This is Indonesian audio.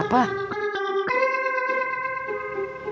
kamu takut itu dia